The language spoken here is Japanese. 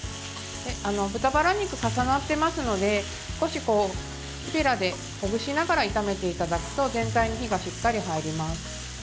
豚バラ肉、重なってますので少し木べらでほぐしながら炒めていただくと全体に火がしっかり入ります。